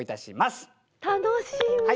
楽しみ！